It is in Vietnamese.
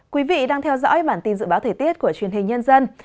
quý vị đang theo dõi bản tin dự báo thời tiết của truyền hình nhân dân